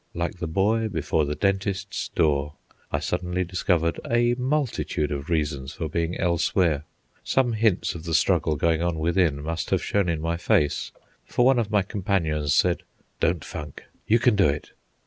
Like the boy before the dentist's door, I suddenly discovered a multitude of reasons for being elsewhere. Some hints of the struggle going on within must have shown in my face, for one of my companions said, "Don't funk; you can do it."